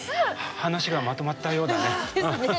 話がまとまったようだね。